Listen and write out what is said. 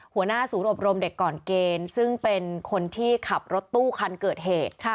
หัวหน้าศูนย์อบรมเด็กก่อนเกณฑ์ซึ่งเป็นคนที่ขับรถตู้คันเกิดเหตุ